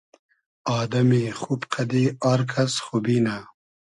آدئمی خوب قئدی آر کئس خوبی نۂ